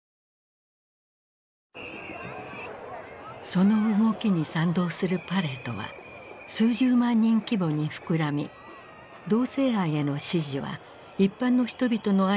その動きに賛同するパレードは数十万人規模に膨らみ同性愛への支持は一般の人々の間にも広がっていった。